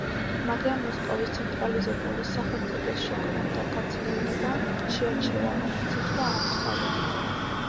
მაგრამ, მოსკოვის ცენტრალიზებული სახელმწიფოს შექმნამ და გაძლიერებამ შეაჩერა მათი წინსვლა აღმოსავლეთით.